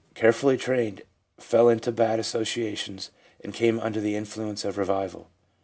(Carefully trained, fell into bad associations, and came under the influence of revival.)